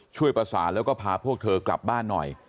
ช่วยประสานแล้วก็พาพวกเธอกลับบ้านหน่อย